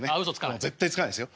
絶対つかないですよ。